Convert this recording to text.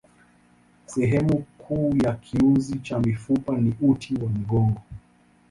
Sehemu kuu ya kiunzi cha mifupa ni uti wa mgongo.